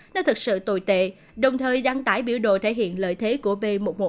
nó thực sự tồi tệ đồng thời đăng tải biểu đồ thể hiện lợi thế của b một một năm trăm hai mươi chín